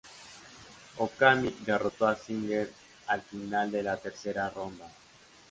Okami derrotó a Singer al final de la tercera ronda.